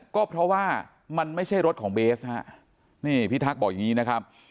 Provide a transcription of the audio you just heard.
ก็เพราะว่ามันไม่ใช่รถของเบสฮะนี่พิทักษ์บอกอย่างนี้นะครับ